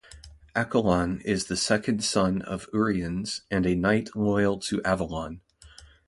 Accolon is the second son of Uriens and a knight loyal to Avalon.